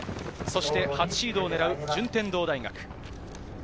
初シードを狙う順天堂大学。